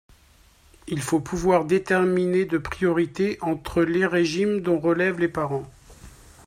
Il faut pouvoir déterminer de priorité entre les régimes dont relèvent les parents.